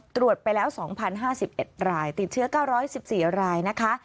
ตรวจไปแล้ว๒๐๕๑รายติดเชื้อ๙๑๔รายนะคะ